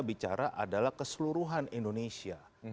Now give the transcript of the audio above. bicara adalah keseluruhan indonesia